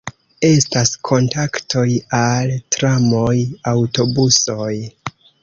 Estas kontaktoj al tramoj, aŭtobusoj.